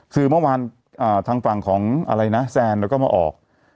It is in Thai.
คือเมื่อวานทางฝั่งแซนก็มาออก